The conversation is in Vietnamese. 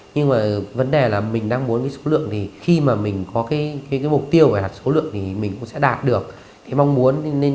nhưng mà vấn đề là mình đang muốn cái số lượng thì khi mà mình có cái mục tiêu về mặt số lượng thì mình cũng sẽ đạt được cái mong muốn